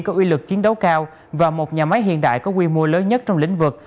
có uy lực chiến đấu cao và một nhà máy hiện đại có quy mô lớn nhất trong lĩnh vực